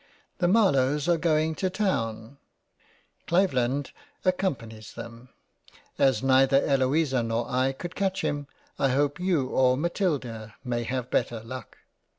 The Marlowes are going to Town ; Give land accompanies them ; as neither Eloisa nor I could catch him I hope you or Matilda may have better Luck.